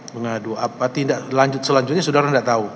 mengadu apa selanjutnya saudara enggak tahu